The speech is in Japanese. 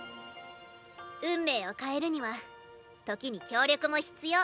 運命を変えるには時に協力も必要。